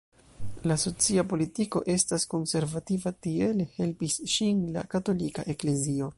La socia politiko estas konservativa, tiele helpis ŝin la Katolika eklezio.